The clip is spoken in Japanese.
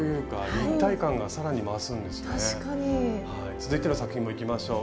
続いての作品もいきましょう。